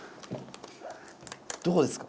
どこですか？